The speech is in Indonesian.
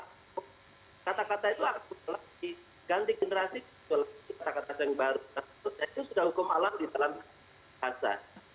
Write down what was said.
itu sudah hukum alam di dalam kata